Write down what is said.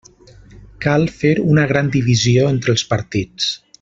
Cal fer una gran divisió entre els partits.